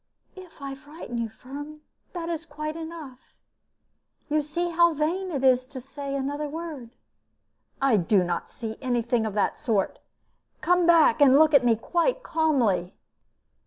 "If I frighten you, Firm, that is quite enough. You see now how vain it is to say another word." "I do not see any thing of the sort. Come back, and look at me quite calmly."